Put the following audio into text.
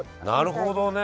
なるほどね。